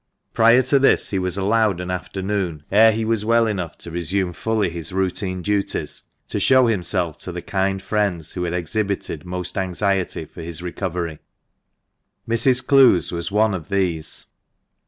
Prior to this, he was allowed an afternoon, ere he was well enough to resume fully his routine duties, to show himself to the kind friends who had exhibited most anxiety for his recovery. Mrs. Clowes was one of these.